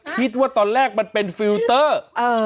คิดว่าตอนแรกมันเป็นฟิลเตอร์